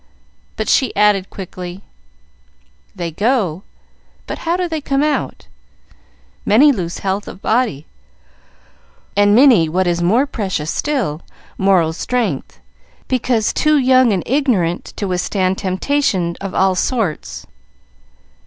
But she added, quickly, "They go, but how do they come out? Many lose health of body, and many what is more precious still, moral strength, because too young and ignorant to withstand temptations of all sorts.